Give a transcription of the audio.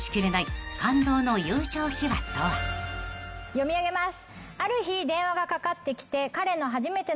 読み上げます。